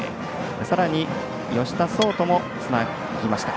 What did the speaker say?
さらに吉田創登もつなぎました。